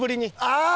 ああ！